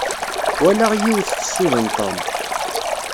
Walaɣ yiwet tessuden Tom.